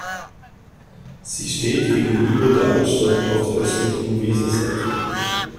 Sie steht gegenüber der Altstadt auf der östlichen Weserseite.